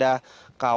selain karena ada kawah